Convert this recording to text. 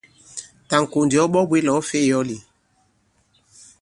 Tà ì-ŋ̀kò ndì ɔ baa-bwě là ɔ̌ fè i yɔ̌l ì?